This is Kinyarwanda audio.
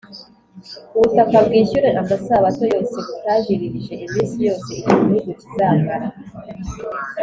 ubutaka bwishyure amasabato yose butajiririje Iminsi yose icyo gihugu kizamara